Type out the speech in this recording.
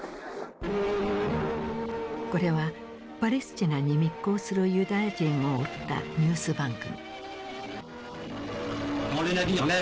これはパレスチナに密航するユダヤ人を追ったニュース番組。